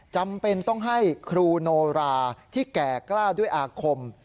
จำเป็นต้องให้ครูโนราที่แก่กล้าด้วยอาคม